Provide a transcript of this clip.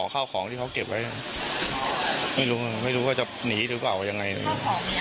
ข้าวของมีอะไรบ้างที่ทำให้มันเหลือ